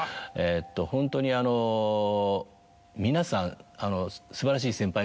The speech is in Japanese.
ホントに皆さん素晴らしい先輩方。